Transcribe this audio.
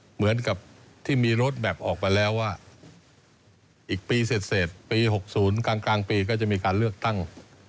เหมือนกับที่มีรถแบบออกมาแล้วว่าอีกปีเสร็จปี๖๐กลางปีก็จะมีการเลือกตั้ง